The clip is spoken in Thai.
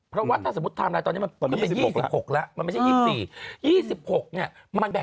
เพราะว่าถ้าสมมุติไทม์ไลน์ตอนนี้มันก็เป็น๒๖แล้ว